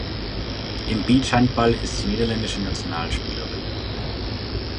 Im Beachhandball ist sie niederländische Nationalspielerin.